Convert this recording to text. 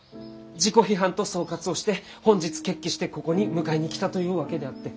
自己批判と総括をして本日決起してここに迎えに来たというわけであって。